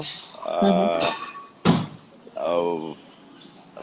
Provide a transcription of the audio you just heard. small concert lah ya